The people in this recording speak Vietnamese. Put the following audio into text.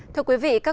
thưa quý vị